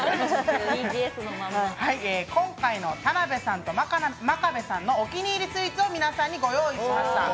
今回の田辺さんと真壁さんのお気に入りスイーツを皆さんにご用意しました。